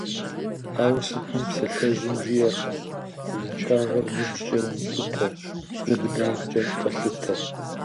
Ауэ сытми псалъэжьым жиӀэркъым: «Узыншагъэр ныбжькӀэ умылъытэ, дзэ быдагъэкӀэ къэлъытэ».